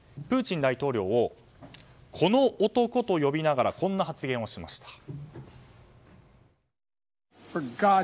プーチン大統領をこの男と呼びながらこんな発言をしました。